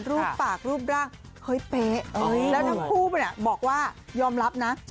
รูปปากรูปร่างเฮ้ยเป๊ะแล้วทั้งคู่บอกว่ายอมรับนะ